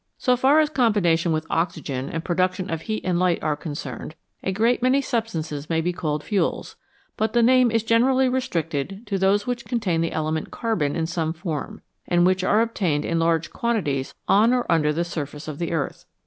So far as combination with oxygen and production of heat and light are concerned, a great many substances might be called fuels, but the name is generally restricted to those which contain the element carbon in some form, and which are obtained in large quantities on or under the surface of the earth.